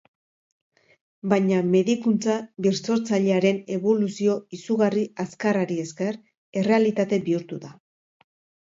Baina, medikuntza birsortzailearen eboluzio izugarri azkarrari esker, errealitate bihurtu da.